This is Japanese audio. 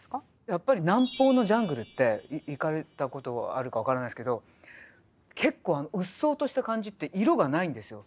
やっぱり南方のジャングルって行かれたことあるか分からないですけど結構うっそうとした感じって色がないんですよ。